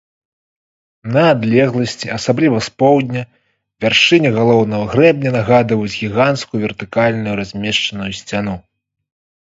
На адлегласці, асабліва з поўдня, вяршыні галоўнага грэбня нагадваюць гіганцкую вертыкальна размешчаную сцяну.